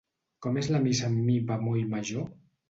Com és la missa en mi bemoll major?